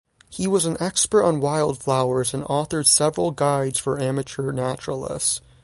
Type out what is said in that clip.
He was an expert on wildflowers and authored several guides for amateur naturalists.